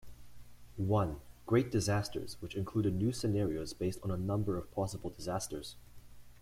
I: Great Disasters, which included new scenarios based on a number of possible disasters.